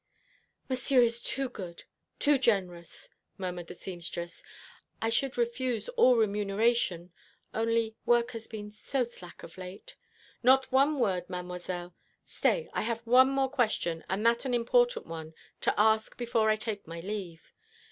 "Monsieur is too good, too generous," murmured the seamstress; "I should refuse all remuneration, only work has been so slack of late " "Not one word, Mademoiselle. Stay, I have one more question, and that an important one, to ask before I take my leave.